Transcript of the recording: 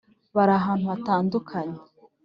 bari ahantu hatandukanye